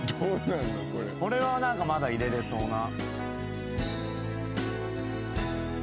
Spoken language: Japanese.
これは何かまだ入れれそうな。